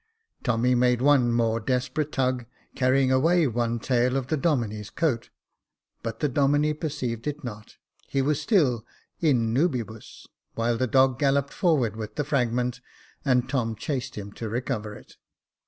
Tommy made one more desperate tug, carrying away one tail of the Domine's coat ; but the Domine perceived it not, he was still '* in nubibus" while the dog galloped forward with the fragment, and Tom chased him to recover it.